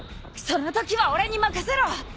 そのときは俺に任せろ！